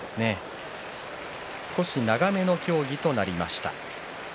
少し長めの協議となりました。